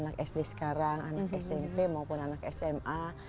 anak sd sekarang anak smp maupun anak sma